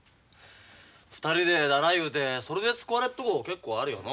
２人でだら言うてそれで救われるとこ結構あるよの。